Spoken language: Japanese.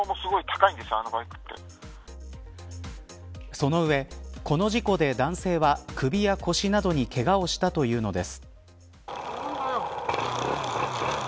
その上この事故で男性は首や腰などにけがをしたというのです。